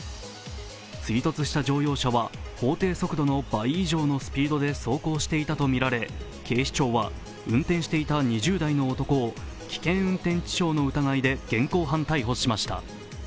追突した乗用車は法定速度の倍以上のスピードで走行していたとみられ、警視庁は運転していた２０代の男を危険運転致傷の疑いで現行犯逮捕しました。